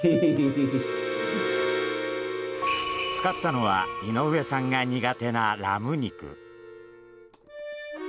使ったのは井上さんが苦手なラム肉。